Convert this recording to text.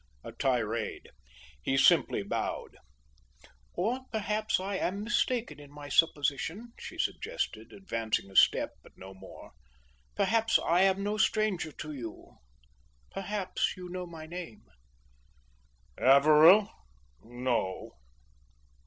A tirade. He simply bowed. "Or perhaps I am mistaken in my supposition," she suggested, advancing a step, but no more. "Perhaps I am no stranger to you? Perhaps you know my name?" "Averill? No."